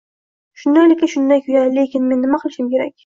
Shundaylikka shunday-ku-ya… Lekin men nima qilishim kerak?